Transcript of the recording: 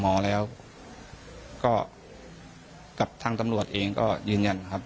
หมอแล้วก็กับทางตำรวจเองก็ยืนยันครับ